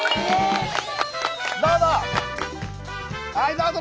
どうぞ！